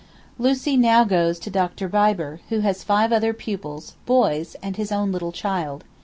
... Lucie now goes to a Dr. Biber, who has five other pupils (boys) and his own little child.